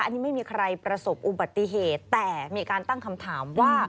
อันนี้ไม่มีใครประสบอุบัติเหตุแต่มีการตั้งคำถามว่า